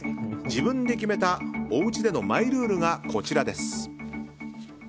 自分で決めた、おうちでのマイルールがこちらです。